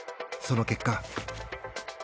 その結果。